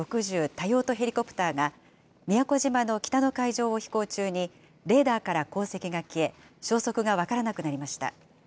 多用途ヘリコプターが、宮古島の北の海上を飛行中にレーダーから航跡が消え、消息が分からなくなりました。